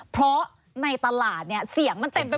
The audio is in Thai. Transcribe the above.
เพราะในตลาดเนี่ยเสียงมันเต็มไป